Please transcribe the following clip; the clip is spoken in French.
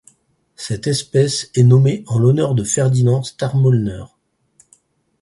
Cette espèce est nommée en l'honneur de Ferdinand Starmühlner.